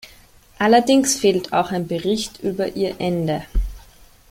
Allerdings fehlt auch ein Bericht über ihr Ende.